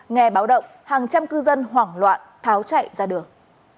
nghe báo động hàng trăm cư dân hoảng loạn tháo chạy ra đường